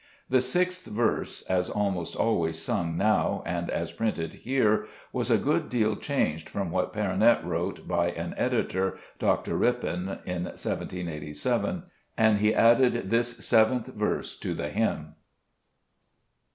The 6th verse, as almost always sung now, and as printed here, was a good deal changed from what Perronet wrote by an editor, Dr. Rippon, in 1787, and he added this 7th verse to the hymn.